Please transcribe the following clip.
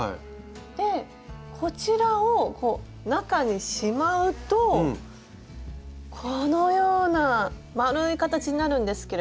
こちらを中にしまうとこのような丸い形になるんですけれども。